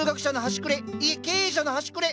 いえ経営者の端くれ。